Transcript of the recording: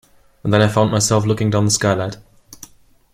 And then I found myself looking down the skylight.